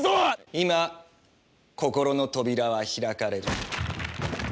今心の扉は開かれる。